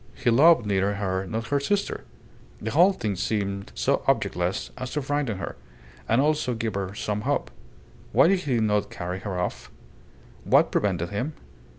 He loved neither her nor her sister. The whole thing seemed so objectless as to frighten her, and also give her some hope. Why did he not carry her off? What prevented him?